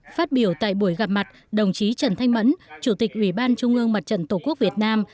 phát biểu tại buổi gặp mặt đồng chí trần thanh mẫn chủ tịch ủy ban trung ương mặt trận tổ quốc việt nam